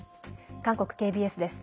韓国ＫＢＳです。